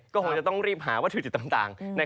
ก็คงจะต้องรีบหาวัตถุดิบต่าง